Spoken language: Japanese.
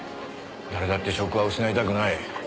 誰だって職は失いたくない。